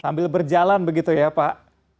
sambil berjalan begitu ya pak